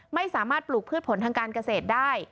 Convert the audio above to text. ไม่สามารถปลูกพืชผลทางการเกษตรได้